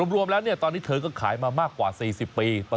รวมแล้วตอนนี้เธอก็ขายมามากกว่า๔๐ปี